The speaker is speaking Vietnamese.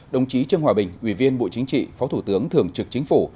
đồng chí trương hòa bình ủy viên bộ chính trị phó thủ tướng thường trực chính phủ